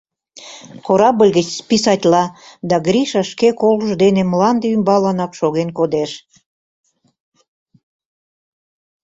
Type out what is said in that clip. Корабль гыч списатла, да Гриша шке колжо дене мланде ӱмбаланак шоген кодеш.